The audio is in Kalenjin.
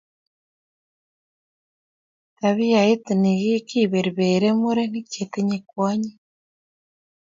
Tabiait ni kiberberi murenik che tinye kwonyik